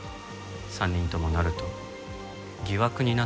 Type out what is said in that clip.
３人ともなると疑惑になってしまいます。